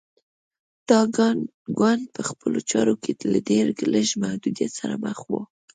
دا ګوند په خپلو چارو کې له ډېر لږ محدودیت سره مخ و.